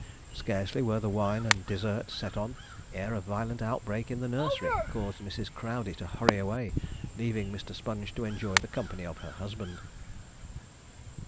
Scarcely were the wine and dessert set on, ere a violent outbreak in the nursery caused Mrs. Crowdey to hurry away, leaving Mr. Sponge to enjoy the company of her husband.